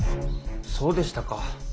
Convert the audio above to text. そうでしたか。